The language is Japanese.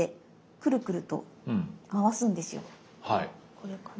これかな？